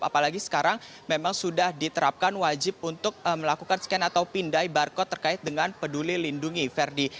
apalagi sekarang memang sudah diterapkan wajib untuk melakukan scan atau pindai barcode terkait dengan peduli lindungi ferdi